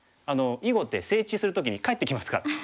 囲碁って整地する時に返ってきますから。